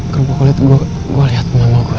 kau lihat gua gua lihat mama gua ya